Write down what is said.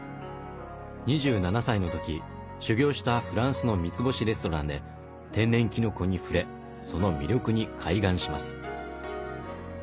２７歳の時修業したフランスの三つ星レストランで天然きのこに触れその魅力に開眼します。